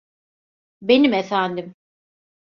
Benim efendim.